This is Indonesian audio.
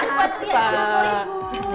iya siap apa ibu